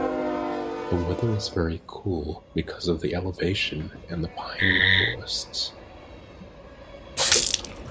The weather is very cool because of the elevation and the Pine forests.